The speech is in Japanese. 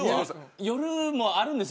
夜もあるんです。